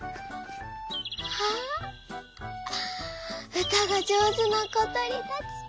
「うたがじょうずなことりたち！